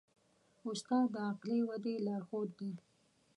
استاد د عقلي ودې لارښود دی.